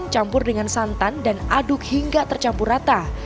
campur dengan santan dan aduk hingga tercampur rata